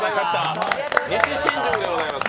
西新宿でございます